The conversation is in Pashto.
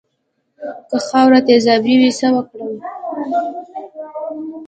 که خاوره تیزابي وي څه وکړم؟